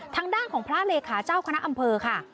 ทางด้านของพระเลขาเจ้าคณะอำเภอค่ะ